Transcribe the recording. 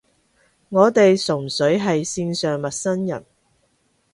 我哋純粹係線上陌生人